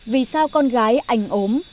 vì sao con gái ảnh ốm